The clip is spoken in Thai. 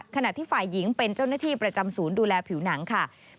ขณะที่ฝ่ายหญิงเป็นเจ้าหน้าที่ประจำศูนย์ดูแลผิวหนังค่ะ